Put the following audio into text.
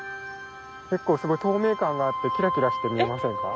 結構透明感があってキラキラして見えませんか？